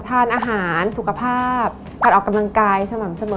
ทานอาหารสุขภาพการออกกำลังกายสม่ำเสมอ